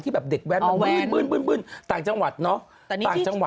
ที่เด็กแว่นมันบึ้งต่างจังหวัดนะ